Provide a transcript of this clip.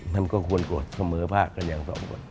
มันก็ควรกลดเสมอภาคอย่างสองคน